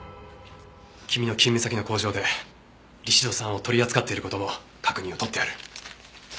君の勤務先の工場でリシド酸を取り扱っている事も確認を取ってある。